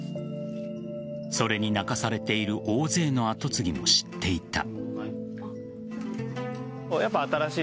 それに泣かされている大勢の跡継ぎも知っていた。